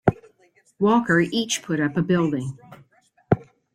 Walker each put up a building.